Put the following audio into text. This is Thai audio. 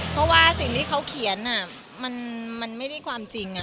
เพราะว่าสิ่งที่เขาเขียนมันไม่ได้ความจริง